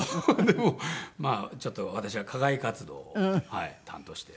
でもまあちょっと私は課外活動を担当して。